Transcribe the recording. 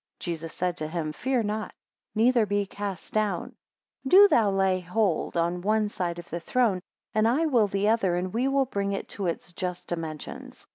12 Jesus said to him, Fear not, neither be cast down; 13 Do thou lay hold on one side of the throne, and I will the other, and we will bring it to its just dimensions.